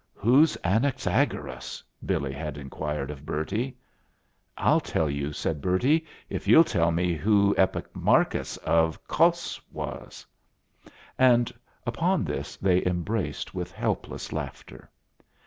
"Who's Anaxagoras?" Billy had inquired of Bertie. "I'll tell you," said Bertie, "if you'll tell me who Epicharmos of Kos was." And upon this they embraced with helpless laughter.